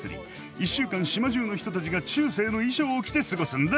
一週間島中の人たちが中世の衣装を着て過ごすんだ。